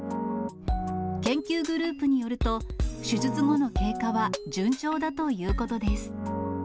研究グループによると、手術後の経過は順調だということです。